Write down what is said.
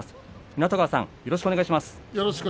湊川さん、よろしくお願いします。